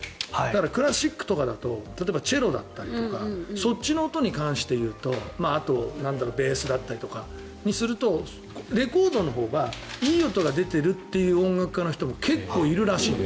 クラシックとかだと例えばチェロだったりとかそっちの音に関していうとあと、ベースだったりとかそういうのにするとレコードのほうがいい音が出ているという音楽家の人が結構いるらしい。